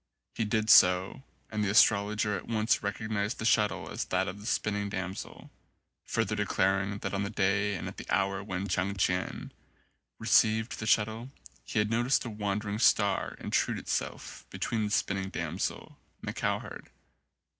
He did so and the astrologer at once recognised the shuttle as that of the Spin ning Damsel, further declaring that on the day and at the hour when Chang Chien received the shuttle he had noticed a wandering star intrude itself between the Spinning Damsel and the Cow herd.